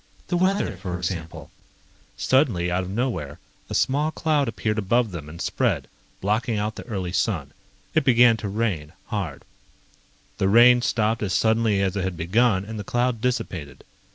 The weather, for example ..." Suddenly, out of nowhere, a small cloud appeared above them and spread, blocking out the early sun. It began to rain, hard. The rain stopped as suddenly as it had begun and the cloud dissipated.